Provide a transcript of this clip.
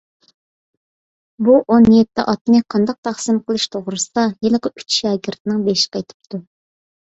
بۇ ئون يەتتە ئاتنى قانداق تەقسىم قىلىش توغرىسىدا ھېلىقى ئۈچ شاگىرتنىڭ بېشى قېتىپتۇ.